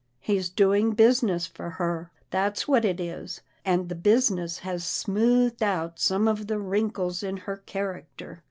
He's doing business for her, that's what it is, and the business has smoothed out some of the wrinkles in her character.